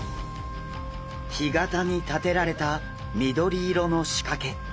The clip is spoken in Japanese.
干潟に立てられた緑色の仕掛け。